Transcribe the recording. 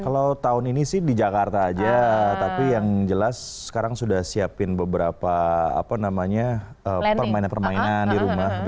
kalau tahun ini sih di jakarta aja tapi yang jelas sekarang sudah siapin beberapa permainan permainan di rumah